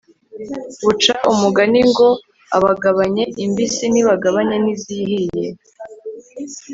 baca umugani ngo «abagabanye imbisi ntibagabana n'izihiye»